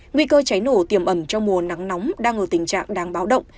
nguy cơ cháy nổ tiềm ẩn trong mùa nắng nóng đang ở tình trạng đáng báo động